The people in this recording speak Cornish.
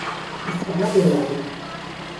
Dyskader ov vy.